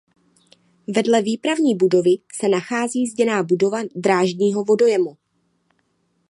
Vedle výpravní budovy se nachází zděná budova drážního vodojemu.